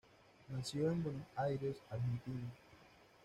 Nació en Buenos Aires, Argentina.